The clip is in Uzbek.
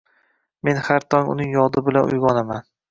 Men har tong uning yodi bilan uyg‘onaman